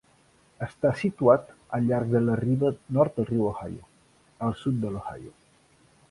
Està situat al llarg de la riba nord del riu Ohio, al sud de l'Ohio.